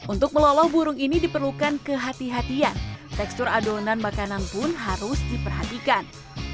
untuk meloloh burung ini diperlukan kehatian tekstur adonan makanan pun harus diperhatikan